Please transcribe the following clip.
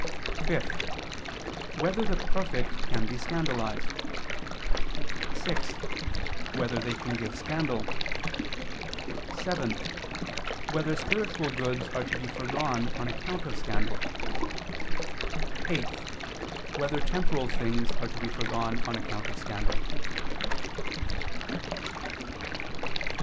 (5) Whether the perfect can be scandalized? (6) Whether they can give scandal? (7) Whether spiritual goods are to be foregone on account of scandal? (8) Whether temporal things are to be foregone on account of scandal?